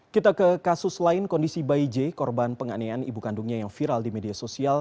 kita ke kasus lain kondisi bayi j korban penganiayaan ibu kandungnya yang viral di media sosial